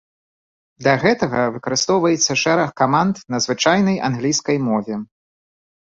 Для гэтага выкарыстоўваецца шэраг каманд на звычайнай англійскай мове.